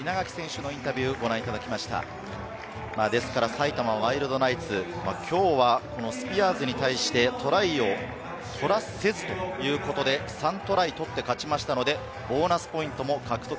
埼玉ワイルドナイツ、今日はスピアーズに対してトライを取らせずということで、３トライ取って勝ちましたので、ボーナスポイントを獲得。